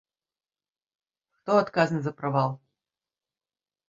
Хто адказны за правал?